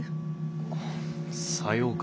さようか。